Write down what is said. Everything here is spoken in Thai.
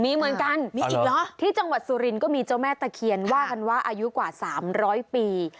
มีเหมือนกันมีอีกเหรอที่จังหวัดสุรินทร์ก็มีเจ้าแม่ตะเคียนว่ากันว่าอายุกว่า๓๐๐ปี